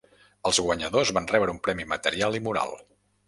Els guanyadors van rebre un premi material i moral.